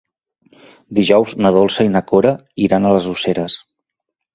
Dijous na Dolça i na Cora iran a les Useres.